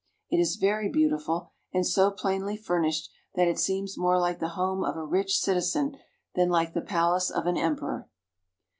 It is very beautiful, and so plainly furnished that it seems more like the home of a rich citizen than like the palace of an emperor.